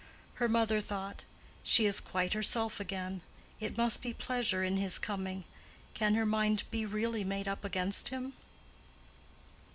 Her mother thought, "She is quite herself again. It must be pleasure in his coming. Can her mind be really made up against him?"